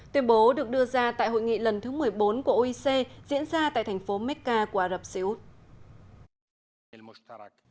tuyên bố được đưa ra tại hội nghị lần thứ một mươi bốn của oec diễn ra tại thành phố meca của ả rập xê út